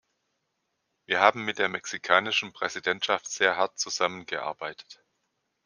Wir haben mit der mexikanischen Präsidentschaft sehr hart zusammengearbeitet.